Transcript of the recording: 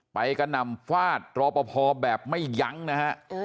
กระหน่ำฟาดรอปภแบบไม่ยั้งนะฮะ